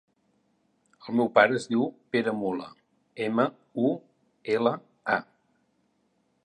El meu pare es diu Pere Mula: ema, u, ela, a.